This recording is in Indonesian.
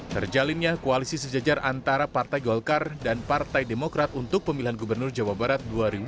terjalinnya koalisi sejajar antara partai golkar dan partai demokrat untuk pemilihan gubernur jawa barat dua ribu sembilan belas